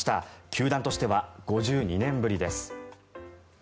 球団としては５２年ぶりです。